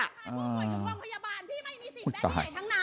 อ้าวอุ๊ยตาย